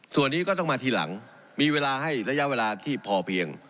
ส่วนนี้ก็ต้องมาทีหลังมีเวลาให้ระยะเวลาที่พอเพียง